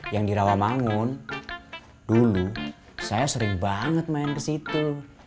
yang di rawamangun dulu saya sering banget main ke situ